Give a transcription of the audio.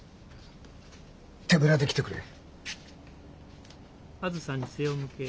手ぶらで来てくれ。